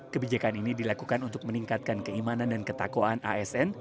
kebijakan ini dilakukan untuk meningkatkan keimanan dan ketakwaan asn